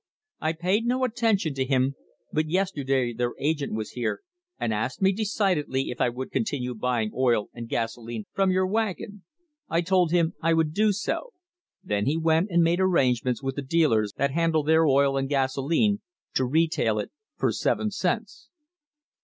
I paid no attention to him, but yesterday their agent was here and asked me decidedly if I would continue buying oil and gasoline from your wagon. I told him I would do so; then he went and made arrangements with the dealers that handle their oil and gasoline to retail it for seven cents."